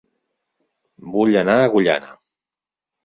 Vull anar a Agullana